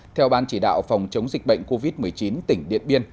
theo ban chỉ đạo phòng chống dịch bệnh covid một mươi chín tỉnh điện biên